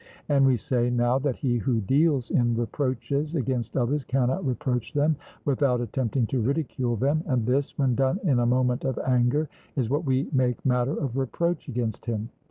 And we say now, that he who deals in reproaches against others cannot reproach them without attempting to ridicule them; and this, when done in a moment of anger, is what we make matter of reproach against him.